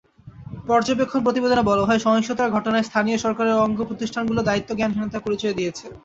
পর্যবেক্ষণ প্রতিবেদনে বলা হয়, সহিংসতার ঘটনায় স্থানীয় সরকারের অঙ্গপ্রতিষ্ঠানগুলো দায়িত্বজ্ঞানহীনতার পরিচয় দিয়েছে।